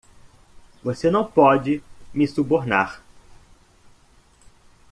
Você não pode me subornar.